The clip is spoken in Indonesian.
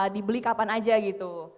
dibeli kapan aja gitu